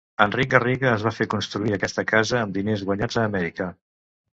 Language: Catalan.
Enric Garriga es va fer construir aquesta casa amb diners guanyats a Amèrica.